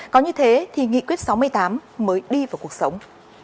có như thế thì nghị quyết sáu mươi tám mới đi vào cuộc sống